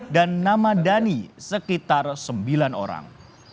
dan nama dani sekitar sembilan orang